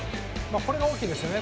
これが大きいですね。